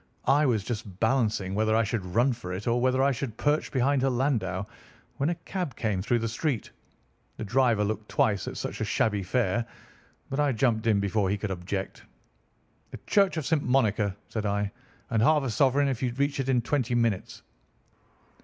I was just balancing whether I should run for it, or whether I should perch behind her landau when a cab came through the street. The driver looked twice at such a shabby fare, but I jumped in before he could object. 'The Church of St. Monica,' said I, 'and half a sovereign if you reach it in twenty minutes.